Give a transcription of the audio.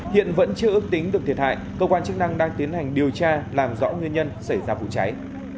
hiện vẫn chưa ước tính được thiệt hại cơ quan chức năng đang tiến hành điều tra làm rõ nguyên nhân xảy ra vụ cháy